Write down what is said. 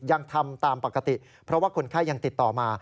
ยังทำตามปกติเพราะว่าคนไข้ยังติดต่อมา